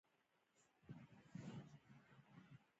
امیر محمد اعظم خان ته یې لېږلی وي.